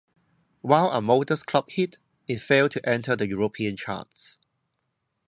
While a modest club hit, it failed to enter the European charts.